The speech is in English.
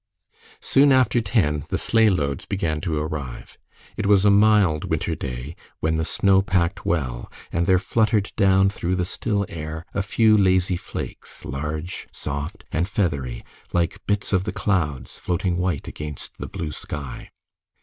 Soon after ten the sleighloads began to arrive. It was a mild winter day, when the snow packed well, and there fluttered down through the still air a few lazy flakes, large, soft, and feathery, like bits of the clouds floating white against the blue sky.